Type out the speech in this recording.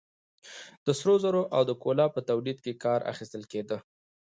د سرو زرو او د کولا په تولید کې کار اخیستل کېده.